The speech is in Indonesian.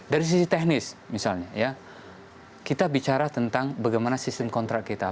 dari sisi teknis misalnya ya kita bicara tentang bagaimana sistem kontrak kita